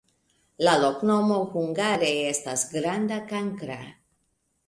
La loknomo hungare estas granda-kankra.